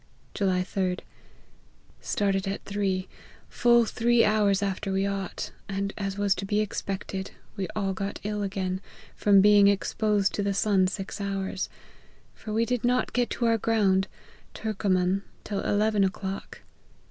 " July 3d. Started at three, full three hours after we ought, and, as was to be expected, we all got ill again, from being exposed to the sun six hours ; for we did not get to our ground, Turcoman, till eleven o'clock.